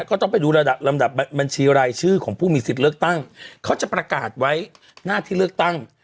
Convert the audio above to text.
ก็ต้องไปดูระดับลำดับบัญชีรายชื่อของผู้มีสิทธิ์เลือกตั้งเขาจะประกาศไว้หน้าที่เลือกตั้ง